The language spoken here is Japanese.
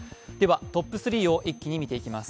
トップ３を一気に見ていきます。